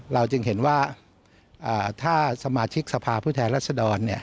เราจึงเห็นว่าถ้าสมาชิกสภาพุทธแรศดร